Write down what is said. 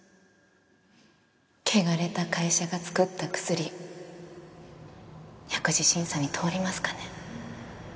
汚れた会社が作った薬薬事審査に通りますかね？